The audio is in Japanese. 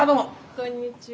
こんにちは。